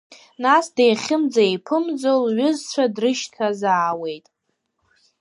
Нас деихьымӡа-еиԥымӡо лҩызцәа дрышьҭазаауеит.